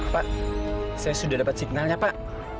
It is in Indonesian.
pak saya sudah dapat signalnya pak